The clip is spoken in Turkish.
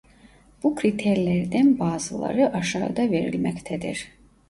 Bu kriterlerden bazıları aşağıda verilmektedir.